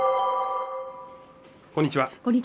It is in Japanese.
こんにちは